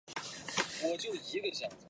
在苏联财政部研究所任经济学家。